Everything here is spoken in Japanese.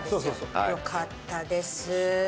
よかったです。